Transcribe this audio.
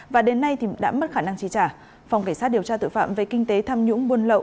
và đến nay đã mất khả năng trí trả phòng cảnh sát điều tra tội phạm về kinh tế tham nhũng buôn lậu